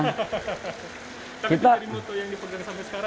tapi itu jadi moto yang dipegang sampai sekarang